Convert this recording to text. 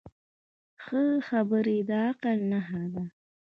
ښه خبرې د عقل نښه ده